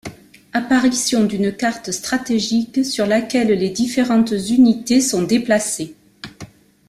Apparition d'une carte stratégique sur laquelle les différentes unités sont déplacées.